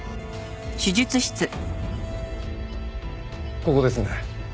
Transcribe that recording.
ここですね。